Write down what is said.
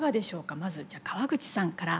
まずじゃ河口さんから。